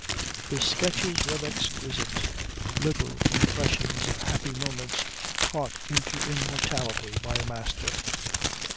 The sketches were exquisite; little impressions of happy moments caught into immortality by a master.